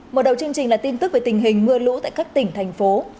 mở đầu chương trình là tin tức về tình hình mưa lũ tại các tỉnh thành phố